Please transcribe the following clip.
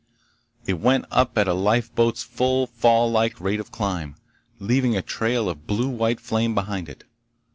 It went up at a lifeboat's full fall like rate of climb, leaving a trail of blue white flame behind it.